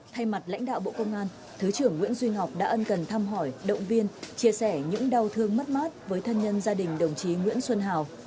thay mặt lãnh đạo bộ công an thứ trưởng nguyễn duy ngọc đã ân cần thăm hỏi động viên chia sẻ những đau thương mất mát với thân nhân gia đình đồng chí nguyễn xuân hào